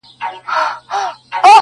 د ژوند د دې تصوير و هري خوا ته درېږم~